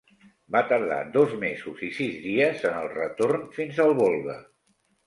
Va tardar dos mesos i sis dies en el retorn fins al Volga.